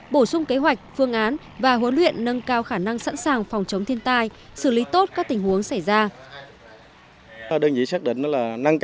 bổ sung kế hoạch phương án và huấn luyện nâng cao khả năng sẵn sàng phòng chống thiên tai xử lý tốt các tình huống xảy ra